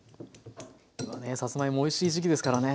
さつまいもおいしい時期ですからね。